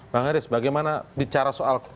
pak aris bagaimana bicara soal